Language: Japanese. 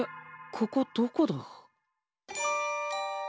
ここどこだ？